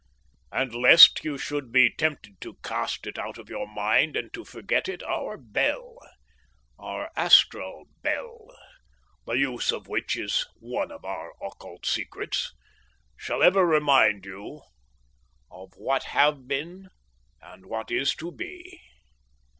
"And lest you should be tempted to cast it out of your mind and to forget it, our bell our astral bell, the use of which is one of our occult secrets shall ever remind you of what have been and what is to be.